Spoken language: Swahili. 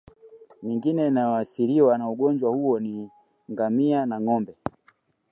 Mingine inayoathiriwa na ugonjwa huo ni ngamia na ngombe